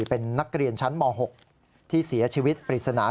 เป็นนักเรียนชั้นม๖ที่เสียชีวิตปริศนา